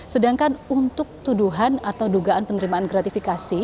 sedangkan untuk tuduhan atau dugaan penerimaan gratifikasi